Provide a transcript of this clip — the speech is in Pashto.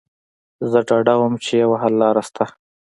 زه ډاډه وم چې يوه حللاره شته.